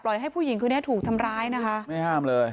ปล่อยให้ผู้หญิงเขานั่งนี้ถูกทำร้ายนะไม่ห้ามเลย